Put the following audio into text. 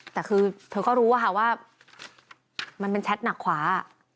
แต่คือเธอก็รู้ว่ามันเป็นแชทหนักขวา